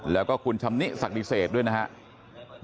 แล้วก็คุณชำนิสักดิเศษด้วยนะครับ